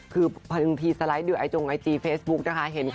คุณผู้ชมคุณผู้ชมค